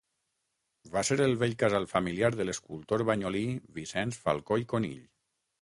Va ser el vell casal familiar de l'escultor banyolí Vicenç Falcó i Conill.